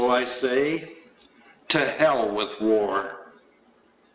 ..I say, TO HELL WITH WAR!